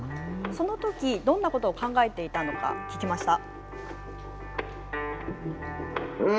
そのとき、どんなことを考えていたのか聞きました。